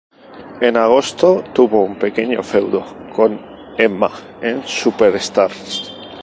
En agosto tuvo un pequeño feudo con Emma en "Superstars".